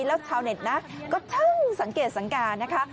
แล้วชาวเน็ตนะก็ช่างสังเกตสังการนะคะ